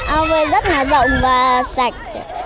ao bơi rất là rộng và sạch